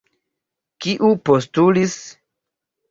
Kiu postulis?